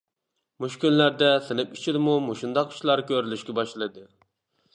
مۇشۇ كۈنلەردە سىنىپ ئىچىدىمۇ مۇشۇنداق ئىشلار كۆرۈلۈشكە باشلىدى.